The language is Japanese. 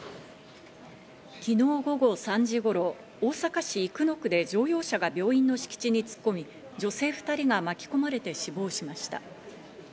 昨日午後３時頃、大阪市生野区で乗用車が病院の敷地に突っ込み、女性２人が巻き込まれて死亡しました。